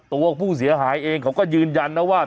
ตัวผู้เสียหายเองเขาก็ยืนยันนะว่า